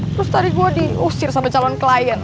terus tadi gue diusir sama calon klien